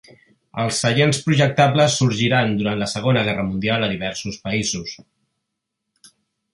Els seients projectables sorgiren durant la Segona Guerra Mundial a diversos països.